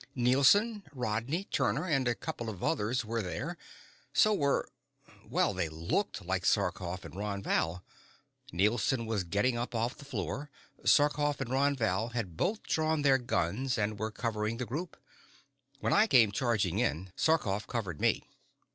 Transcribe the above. "Nielson, Rodney, Turner, and a couple of others were there. So were well, they looked like Sarkoff and Ron Val. Nielson was getting up off the floor. Sarkoff and Ron Val had both drawn their guns and were covering the group. When I came charging in, Sarkoff covered me.